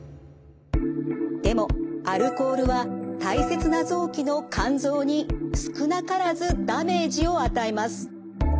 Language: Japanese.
でもアルコールは大切な臓器の肝臓に少なからずダメージを与えます。